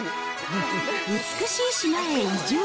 美しい島へ移住。